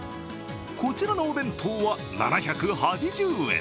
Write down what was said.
こちらのお弁当は、７８０円。